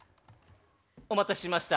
お待たせしました。